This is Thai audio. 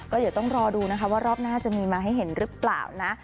ก็เดี๋ยวต้องรอดูนะคะว่ารอบหน้าจะมีมาให้เห็นหรือเปล่านะ